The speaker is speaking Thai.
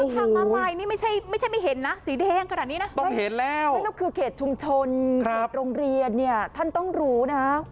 ต้องเห็นแล้วนั่นก็คือเขตชุมชนเขตโรงเรียนเนี่ยท่านต้องรู้นะครับ